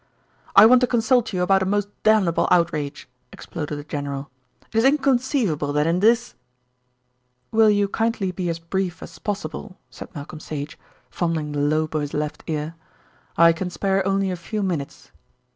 "I want to consult you about a most damnable outrage," exploded the general. "It's inconceivable that in this " "Will you kindly be as brief as possible?" said Malcolm Sage, fondling the lobe of his left ear. "I can spare only a few minutes."